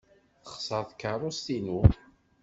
Texṣer tkeṛṛust-inu.